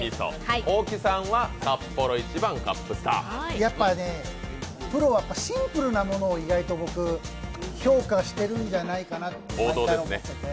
やっぱね、プロはシンプルなものを意外と評価してるんじゃないかなと毎回思ってて。